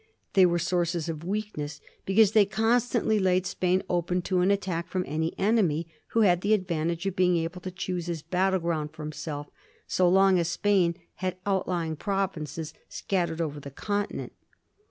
They were sources of weakness, because they con stantly laid Spain open to an attack fix)m any enemy^ who had the advantage of being able to choose his battle ground for himself so long as Spain had out lying provinces scattered over the Continent.